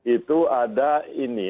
itu ada ini